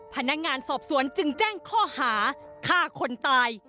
พนักงานสอบสวนจึงแจ้งข้อหาฆ่าคนตาย